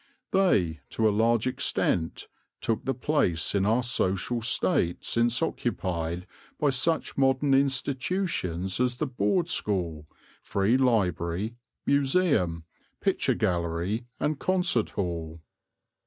They, to a large extent, took the place in our social state since occupied by such modern institutions as the Board School, Free Library, Museum, Picture Gallery, and Concert Hall.